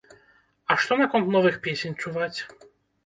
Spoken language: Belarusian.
А што наконт новых песень чуваць?